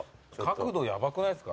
角度ヤバくないっすか？